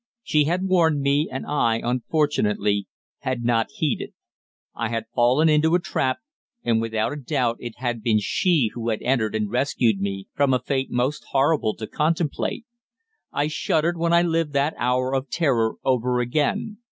She had warned me, and I, unfortunately, had not heeded. I had fallen into a trap, and without a doubt it had been she who had entered and rescued me from a fate most horrible to contemplate. I shuddered when I lived that hour of terror over again.